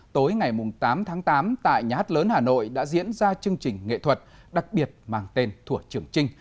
tối ngày tám tháng tám tại nhà hát lớn hà nội đã diễn ra chương trình nghệ thuật đặc biệt mang tên thủa trưởng trinh